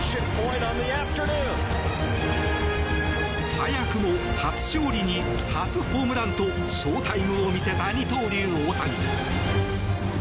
早くも初勝利に初ホームランとショータイムを見せた二刀流・大谷。